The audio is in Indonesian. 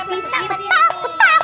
putak putak putak